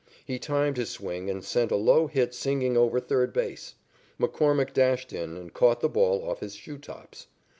He timed his swing and sent a low hit singing over third base. McCormick dashed in and caught the ball off his shoe tops.